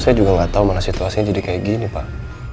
saya juga nggak tahu mana situasinya jadi kayak gini pak